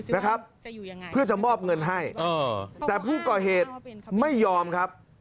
นะครับเพื่อจะมอบเงินให้เออแต่ผู้ก่อเหตุไม่ยอมครับ